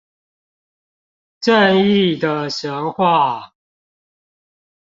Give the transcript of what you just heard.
正義的神話